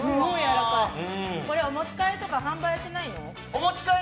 これ、お持ち帰りとか販売はしてないの？